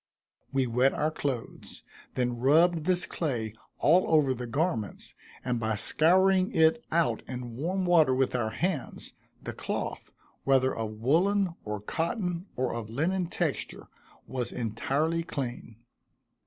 We wet our clothes, then rubbed this clay all over the garments, and by scouring it out in warm water with our hands, the cloth, whether of woollen, or cotton, or linen texture, was entirely clean.